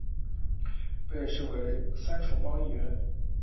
被视为三重帮一员。